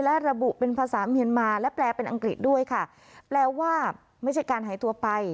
และระบุเป็นภาษาเมียนมาและแปลเป็นอังกฤษด้วยค่ะแปลว่าไม่ใช่การหายตัวไป